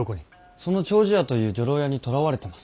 その丁子屋という女郎屋に捕らわれてます。